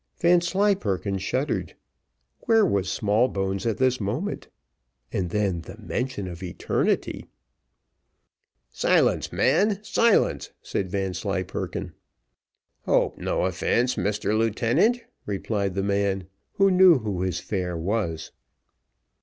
Vanslyperken shuddered. Where was Smallbones at this moment? and then, the mention of eternity! "Silence, man, silence," said Vanslyperken. "Hope no offence, Mr Lieutenant," replied the man, who knew who his fare was.